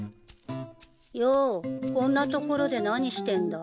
ようこんな所で何してんだ？